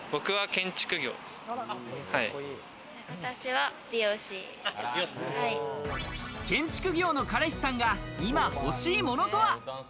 建築業の彼氏さんが今欲しいものとは？